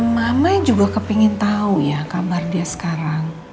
mama juga kepengen tahu ya kabar dia sekarang